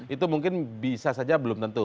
itu mungkin bisa saja belum tentu